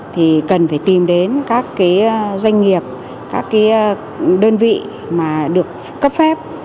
thì cần phải tìm đến các doanh nghiệp các cái đơn vị mà được cấp phép